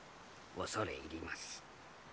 恐れ入ります。